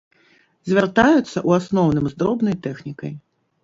Звяртаюцца, у асноўным, з дробнай тэхнікай.